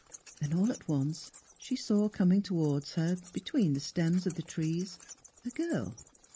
Then all at once she saw coming toward her, between the stems of the trees, a girl.